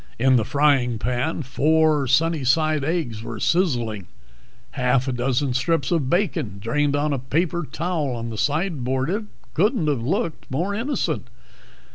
In the frying pan four sunnyside eggs were sizzling; half a dozen strips of bacon drained on a paper towel on the sideboard. It couldn't have looked more innocent.